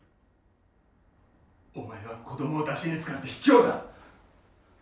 お前は子どもをだしに使ってひきょうだ。